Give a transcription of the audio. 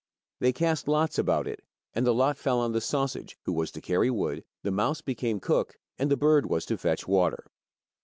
They cast lots about it, and the lot fell on the sausage who was to carry wood, the mouse became cook, and the bird was to fetch water.